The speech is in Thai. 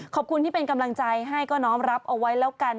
ขอบคุณที่เป็นกำลังใจให้ก็น้อมรับเอาไว้แล้วกัน